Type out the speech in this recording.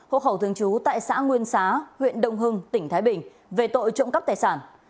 hộ khẩu thường trú tại xã nguyên xá huyện đông hưng tỉnh thái bình về tội trộm cắp tài sản